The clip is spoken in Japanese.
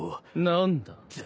何だ？